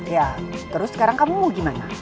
ya terus sekarang kamu mau gimana